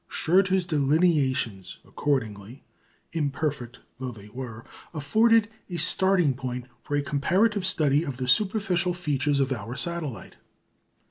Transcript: Schröter's delineations, accordingly, imperfect though they were, afforded a starting point for a comparative study of the superficial features of our satellite.